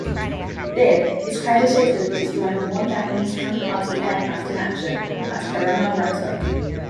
"Bibb" is credited with destroying one Japanese kamikaze aircraft in action at Karema Retto.